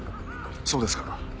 そうですか。